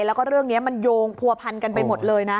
แล้วก็เรื่องนี้มันโยงผัวพันกันไปหมดเลยนะ